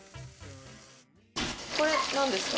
これ何ですか？